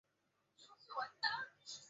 茄花香草为报春花科珍珠菜属的植物。